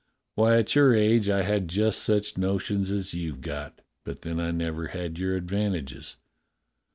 Why, at your age I had just such notions as you've got, but then I never had your advantages.